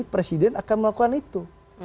presiden akan melakukan itu